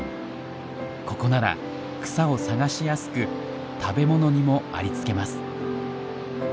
ここなら草を探しやすく食べ物にもありつけます。